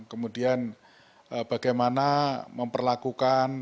kemudian bagaimana memperlakukan